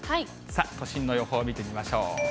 都心の予報を見てみましょう。